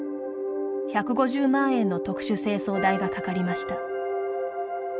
１５０万円の特殊清掃代がかかりました。